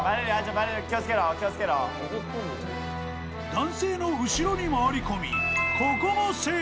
［男性の後ろに回り込みここも］